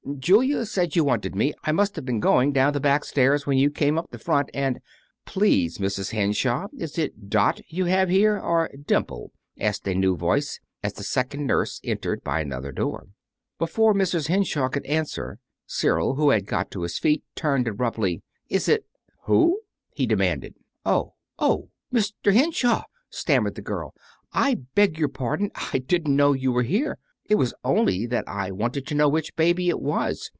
"Julia said you wanted me. I must have been going down the back stairs when you came up the front, and " "Please, Mrs. Henshaw, is it Dot you have in here, or Dimple?" asked a new voice, as the second nurse entered by another door. Before Mrs. Henshaw could answer, Cyril, who had got to his feet, turned sharply. "Is it who?" he demanded. "Oh! Oh, Mr. Henshaw," stammered the girl. "I beg your pardon. I didn't know you were here. It was only that I wanted to know which baby it was.